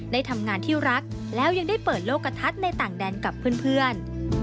ได้ทำงานที่รักแล้วยังได้เปิดโลกกระทัดในต่างแดนกับเพื่อน